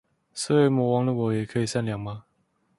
生為魔王的我也可以善良嗎？